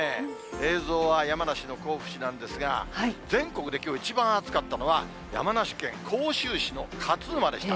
映像は山梨の甲府市なんですが、全国できょう一番暑かったのは、山梨県甲州市の勝沼でした。